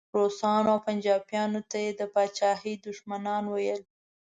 روسانو او پنجابیانو ته یې د پاچاهۍ دښمنان ویل.